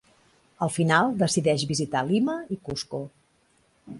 Al final decideix visitar Lima i Cusco.